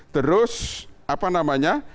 terus apa namanya